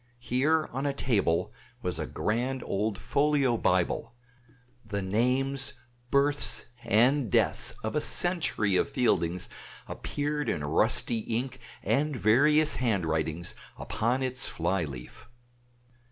Here on a table was a grand old folio Bible; the names, births, and deaths of a century of Fieldings appeared in rusty ink and various handwritings upon its fly leaf.